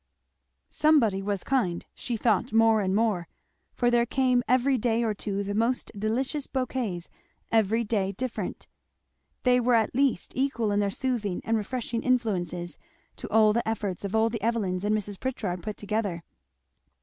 Somebody was kind, she thought more and more; for there came every day or two the most delicious bouquets, every day different. They were at least equal in their soothing and refreshing influences to all the efforts of all the Evelyns and Mrs. Pritchard put together.